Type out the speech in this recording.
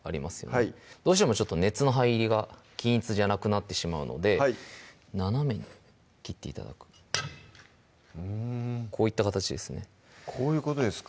はいどうしても熱の入りが均一じゃなくなってしまうので斜めに切って頂くうんこういった形ですねこういうことですか？